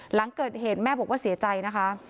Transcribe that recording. หลังเกิดเหตุแม่บอกว่าเสียใจนะคะ